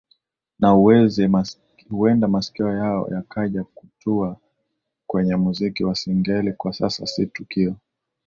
na huenda masikio yao yakaja kutua kwenye muziki wa Singeli Kwa sasa si kituo